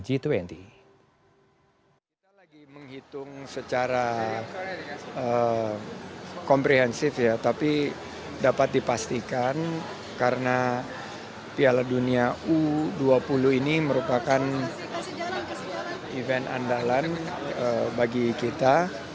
kita lagi menghitung secara komprehensif ya tapi dapat dipastikan karena piala dunia u dua puluh ini merupakan event andalan bagi kita